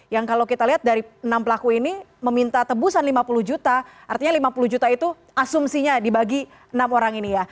yang kalau kita lihat dari enam pelaku ini meminta tebusan lima puluh juta artinya lima puluh juta itu asumsinya dibagi enam orang ini ya